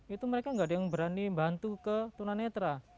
itu mereka nggak ada yang berani bantu ke tunanetra